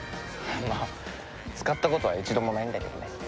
まあ使ったことは一度もないんだけどね。